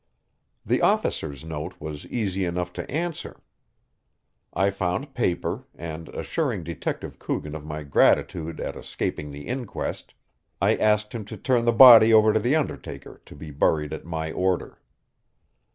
The officer's note was easy enough to answer. I found paper, and, assuring Detective Coogan of my gratitude at escaping the inquest, I asked him to turn the body over to the undertaker to be buried at my order.